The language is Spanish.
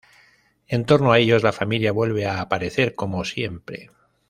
En torno a ellos, la familia vuelve a aparecer como siempre.